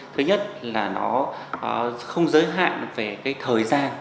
thứ nhất là nó không giới hạn về cái thời gian